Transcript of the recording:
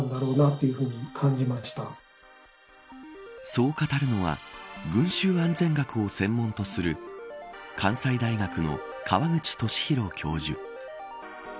そう語るのは群衆安全学を専門とする関西大学の川口寿裕教授。